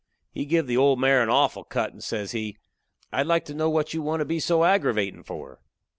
He give the old mare a awful cut and says he: "I'd like to know what you want to be so aggravatin' for?"